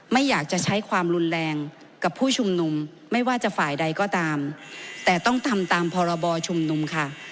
ไม่อยากจะใช้ความรุนแรงกับผู้ชุมนุมไม่ว่าจะฝ่ายใดก็ตามแต่ต้องทำตามพรบชุมนุมค่ะ